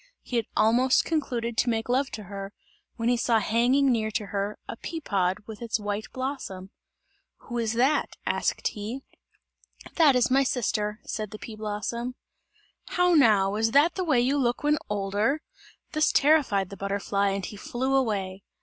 He had almost concluded to make love to her, when he saw hanging near to her, a pea pod with its white blossom. "Who is that?" asked he. "That is my sister," said the pea blossom. "How now, is that the way you look when older?" This terrified the butterfly and he flew away.